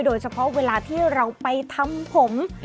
โดยเฉพาะเวลาที่เราไปทำผม